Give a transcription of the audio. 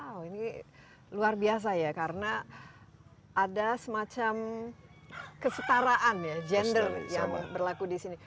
wow ini luar biasa ya karena ada semacam kesetaraan ya gender yang berlaku di sini